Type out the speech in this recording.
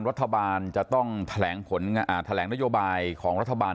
รัฐบาลจะต้องแถลงหน้โยบายของรัฐบาล